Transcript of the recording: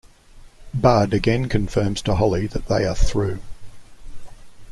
Bud again confirms to Holly that they are through.